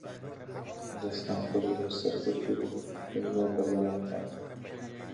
خستبوویانە ناو ژوورێکی لای ماڵێ